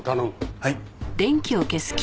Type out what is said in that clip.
はい。